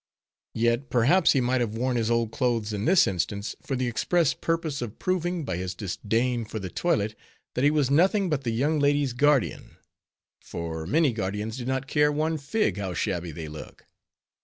Yet, perhaps, he might have worn his old clothes in this instance, for the express purpose of proving, by his disdain for the toilet, that he was nothing but the young lady's guardian; for many guardians do not care one fig how shabby they look.